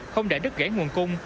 không để đứt gãy nguồn cung